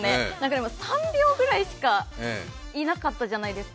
でも３秒ぐらいしかいなかったじゃないですか。